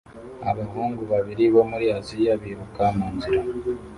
Abahungu babiri bo muri Aziya biruka munzira